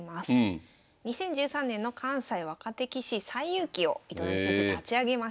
２０１３年の関西若手棋士西遊棋を糸谷先生立ち上げました。